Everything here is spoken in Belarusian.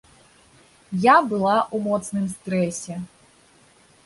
Я была ў моцным стрэсе.